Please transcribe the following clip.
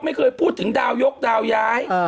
ไม่เคยพูดถึงดาวยกดาวย้าย